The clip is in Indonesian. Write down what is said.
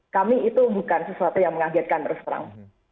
kami itu bukan sesuatu yang mengagetkan terus terang